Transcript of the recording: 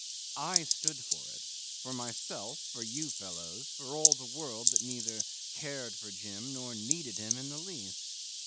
I stood for it, for myself, for you fellows, for all the world that neither cared for Jim nor needed him in the least.